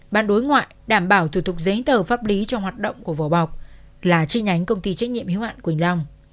ban đối ngoại đảm bảo thuộc dấy tờ pháp lý cho hoạt động của vò bọc là trên nhánh công ty trách nhiệm hiếu hạn quỳnh long